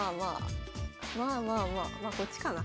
まあまあまあまあこっちかな。